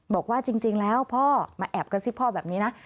บอกว่าจริงแล้วพ่อมาแอบกระซิบพ่อแบบนี้นะ